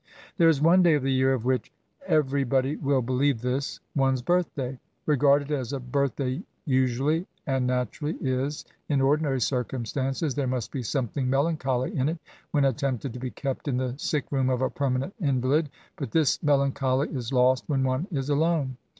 There is one day of the year of which every S8 BS8AT8. body will believe this, — one*s birthday. Regarded as a birthday usually and naturally is^ in ordinary circumstances, there must be something melan choly in it when attempted to be kept in the sick room of a permanent invalid : but this melancholy is lost when one is alone.